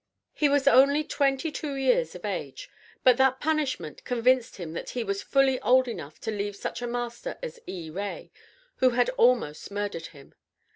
He was only twenty two years of age, but that punishment convinced him that he was fully old enough to leave such a master as E. Ray, who had almost murdered him.